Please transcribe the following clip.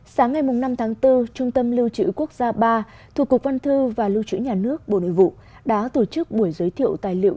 sáng ngày năm tháng bốn trung tâm lưu trữ quốc gia ba thuộc cục văn thư và lưu trữ nhà nước bộ nội vụ đã tổ chức buổi giới thiệu tài liệu